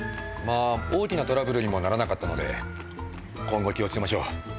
まぁ大きなトラブルにもならなかったので今後気を付けましょう。